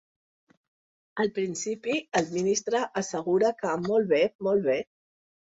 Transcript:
Al principi, el ministre assegura que ‘molt bé, molt bé’.